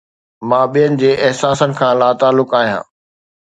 مان ٻين جي احساسن کان لاتعلق آهيان